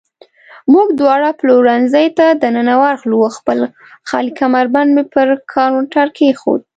موږ دواړه پلورنځۍ ته دننه ورغلو، خپل خالي کمربند مې پر کاونټر کېښود.